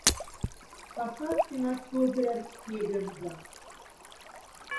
Касаткинать тозерявсть кяденза.